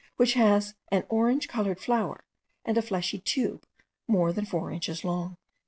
which has an orange coloured flower and a fleshy tube more than four inches long.